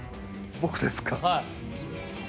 僕ですか？